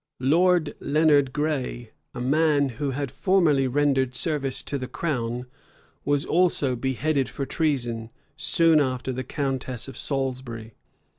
Lord Leonard Grey, a man who had formerly rendered service to the crown, was also beheaded for treason, soon after the countess of Salisbury.